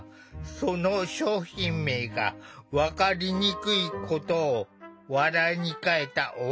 その商品名が分かりにくいことを笑いに変えたお話。